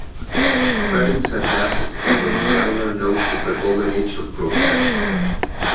Credits adapted from the liner notes of "The Golden Age of Grotesque".